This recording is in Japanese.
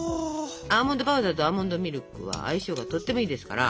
アーモンドパウダーとアーモンドミルクは相性がとってもいいですから。